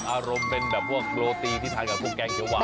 อารมณ์เป็นแบบพวกโรตีที่ทานกับพวกแกงเขียวหวาน